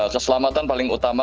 keselamatan paling utama